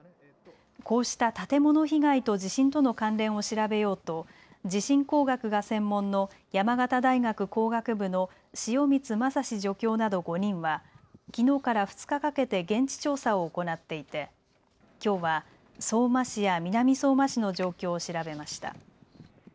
こうした建物被害と地震との関連を調べようと地震工学が専門の山形大学工学部の汐満将史助教など５人はきのうから２日かけて現地調査を行っていてきょうは相馬市や南相馬市の状況を調べました。